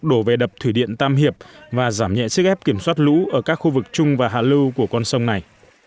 đổ về đập thủy điện tam hiệp và giảm nhẹ sức ép kiểm soát lũ ở các khu vực trung và hạ lưu của con sông này